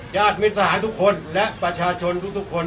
ญาติมิตรทหารทุกคนและประชาชนทุกคน